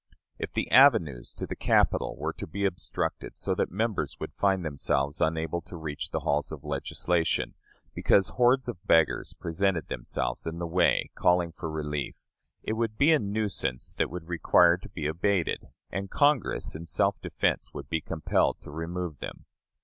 If the avenues to the Capitol were to be obstructed, so that members would find themselves unable to reach the halls of legislation, because hordes of beggars presented themselves in the way calling for relief, it would be a nuisance that would require to be abated, and Congress, in self defense, would be compelled to remove them.